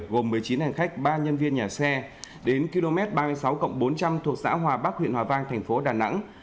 gồm một mươi chín hành khách ba nhân viên nhà xe đến km ba mươi sáu bốn trăm linh thuộc xã hòa bắc huyện hòa vang thành phố đà nẵng